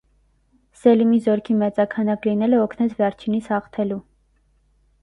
Սելիմի զորքի մեծաքանակ լինելը օգնեց վերջինիս հաղթելու։